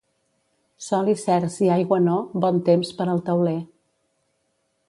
Sol i cerç i aigua no, bon temps per al teuler.